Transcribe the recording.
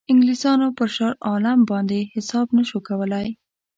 انګلیسانو پر شاه عالم باندې حساب نه شو کولای.